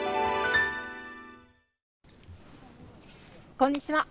こんにちは。